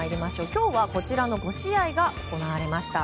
今日は、こちらの５試合が行われました。